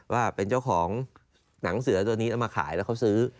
ว่าเป็นเจ้าของหนังเสือตัวนี้เอามาขายแล้วเขาซื้อ